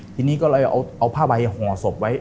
ทีนี้ก็เลยเอาผ้าใบห่อศพไว้